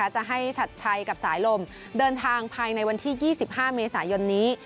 จะให้ชัดชัยกับสายลมเดินทางภายในวันที่๒๕เมษายนนี้